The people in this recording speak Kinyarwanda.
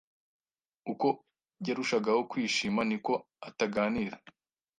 Uko yarushagaho kwishima, niko ataganira.